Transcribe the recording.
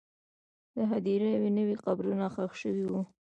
د هدیرې نوې قبرونه ښخ شوي وو.